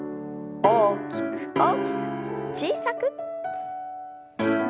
大きく大きく小さく。